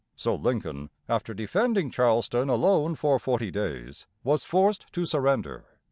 So Lincoln, after defending Charleston alone for forty days, was forced to surrender.